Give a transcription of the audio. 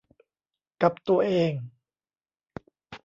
กับตัวเอง